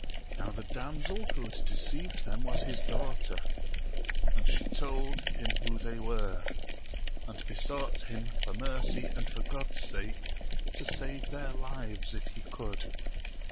Now the damsel who had deceived them was his daughter, and she told him who they were, and besought him for mercy and for God's sake to save their lives, if he could.